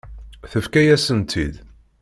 Tefka-yasen-tt-id.